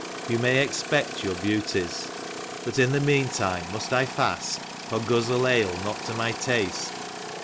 You may expect your beauties; But in the meantime must I fast? Or guzzle ale not to my taste?